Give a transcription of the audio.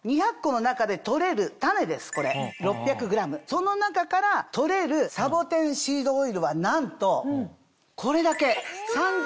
この中から採れるサボテンシードオイルはなんとこれだけ。